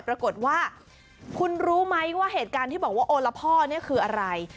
ปรากฏว่าคุณรู้ไหมว่าเหตุการณ์ที่บอกว่าโอละพ่อนี่คืออะไร